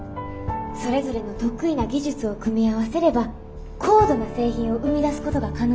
それぞれの得意な技術を組み合わせれば高度な製品を生み出すことが可能です。